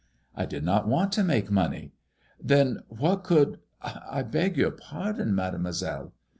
''I did not want to make money." "Then what could— I beg your pardon. Mademoiselle."